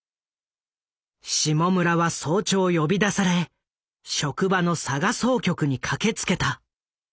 下村は早朝呼び出され職場の佐賀総局に駆けつけた。